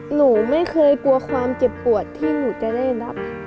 หนูไม่เคยกลัวความเจ็บปวดที่หนูจะได้รับ